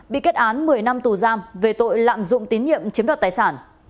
bị kết án một mươi năm tù giam về tội lạm dụng tín nhiệm chiếm đoạt tài sản